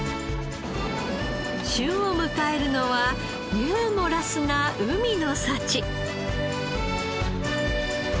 旬を迎えるのはユーモラスな海の幸。